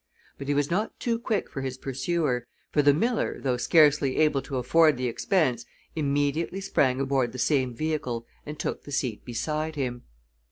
But he was not too quick for his pursuer, for the miller, though scarcely able to afford the expense, immediately sprang aboard the same vehicle and took the seat beside him.